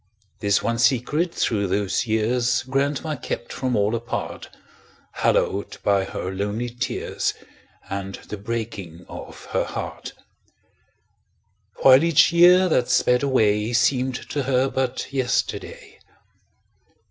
This one secret through those years Grandma kept from all apart, Hallowed by her lonely tears And the breaking of her heart; While each year that sped away Seemed to her but yesterday.